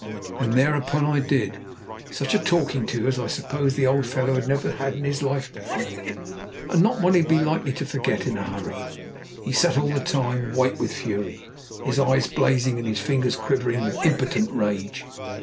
And thereupon I did! Such a talking to as I suppose the old fellow had never had in his life before, and one he'd not be likely to forget in a hurry. He sat all the time, white with fury, his eyes blazing, and his fingers quivering with impotent rage.